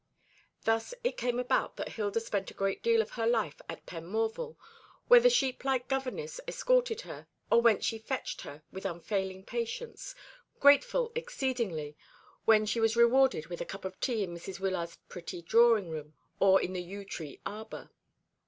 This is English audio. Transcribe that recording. Thus it came about that Hilda spent a great deal of her life at Penmorval, where the sheep like governess escorted her, or whence she fetched her with unfailing patience, grateful exceedingly when she was rewarded with a cup of tea in Mrs. Wyllard's pretty drawing room, or in the yew tree arbour.